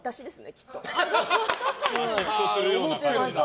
きっと。